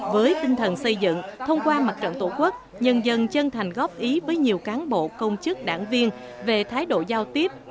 với tinh thần xây dựng thông qua mặt trận tổ quốc nhân dân chân thành góp ý với nhiều cán bộ công chức đảng viên về thái độ giao tiếp